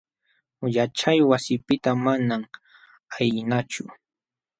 Yaćhay wasipiqta manam ayqinachu.